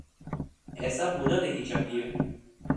ایسا ہونا نہیں چاہیے۔